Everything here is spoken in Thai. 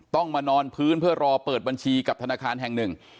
ต้องมานอนพื้นเพื่อรอเปิดบัญชีกับธนาคารแห่งหนึ่ง